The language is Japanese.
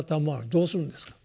どうするんですか？